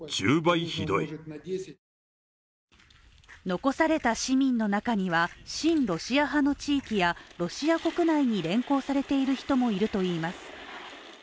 残された市民の中には、親ロシア派の地域やロシア国内に連行されている人もいるといいます。